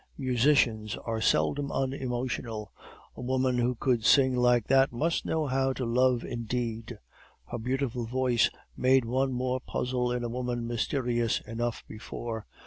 Musicians are seldom unemotional; a woman who could sing like that must know how to love indeed. Her beautiful voice made one more puzzle in a woman mysterious enough before.